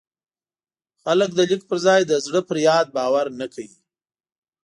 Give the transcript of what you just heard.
خلک د لیک پر ځای د زړه پر یاد باور نه کاوه.